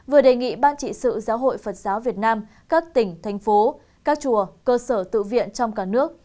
vừa đề nghị ban trị sự giáo hội phật giáo việt nam các tỉnh thành phố các chùa cơ sở tự viện trong cả nước